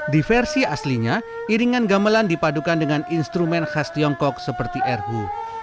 di versi aslinya iringan gamelan dipadukan dengan instrumen khas tiongkok seperti erhu